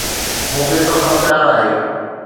مون کي توسان پيار آھي.